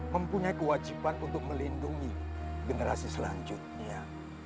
mempunyai kewajiban untuk melindungi generasi selanjutnya